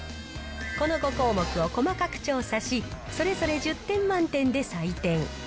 この５項目を細かく調査し、それぞれ１０点満点で採点。